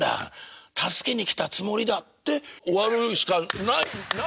助けに来たつもりだ」って終わるしかないんですよ。